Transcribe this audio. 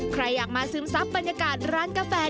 ใครอยากมาซึมซับบรรยากาศร้านกาแฟ